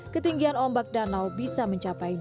ketinggian ombak danau bisa mencapai dua lima meter